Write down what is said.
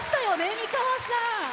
美川さん。